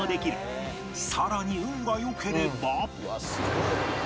さらに運が良ければ